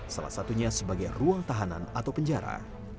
salah satunya sebagai ruang tahanan atau penjara